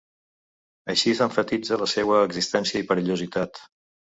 Així s’emfatitza la seua existència i perillositat.